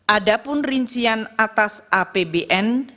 adapun rincian atas apbn